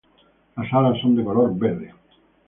Las alas son de color verde.